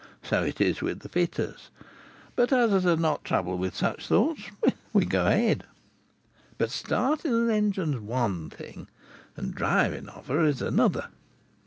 So it is with fitters. But us as are not troubled with such thoughts, we go ahead. "But starting a engine's one thing and driving of her is another.